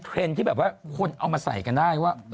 ที่แบบว่าคนเอามาใส่กันได้ว่า